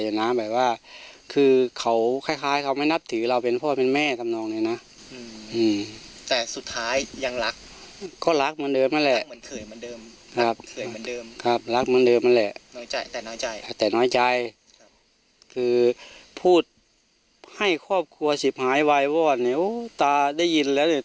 รู้อยู่แล้วว่าจุดประสงค์คืออะไร